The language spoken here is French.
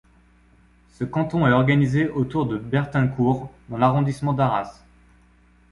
Ce canton est organisé autour de Bertincourt dans l'arrondissement d'Arras.